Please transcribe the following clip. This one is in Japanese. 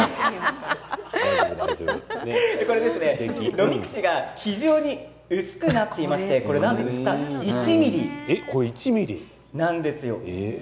飲み口が非常に薄くなっていまして厚さ１ｍｍなんですよ。